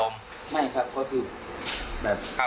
ไม่รู้ตัว